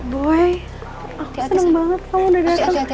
boy aku seneng banget kamu udah dateng